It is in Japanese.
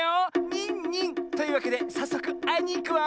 ニンニン！というわけでさっそくあいにいくわ。